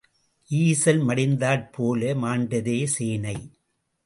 ஈசல் மடிந்தாற் போலே மாண்டதே சேனை.